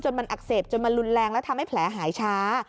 มันอักเสบจนมันรุนแรงแล้วทำให้แผลหายช้า